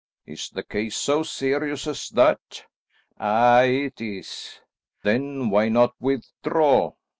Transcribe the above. "Is the case so serious as that?" "Aye, it is." "Then why not withdraw?"